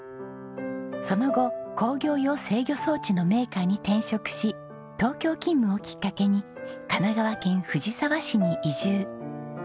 その後工業用制御装置のメーカーに転職し東京勤務をきっかけに神奈川県藤沢市に移住。